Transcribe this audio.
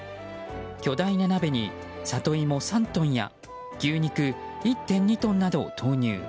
巨大な鍋にサトイモ３トンや牛肉１．２トンなどを投入。